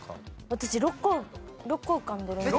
私６個６個浮かんでるんです。